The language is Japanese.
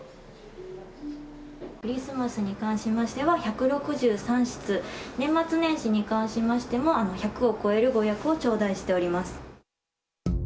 クリスマスに関しましては１６３室、年末年始に関しましても、１００を超えるご予約を頂戴しております。